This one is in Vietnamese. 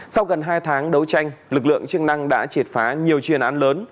sau gần hai tháng đấu tranh lực lượng chức năng đã triệt phá nhiều chuyên án lớn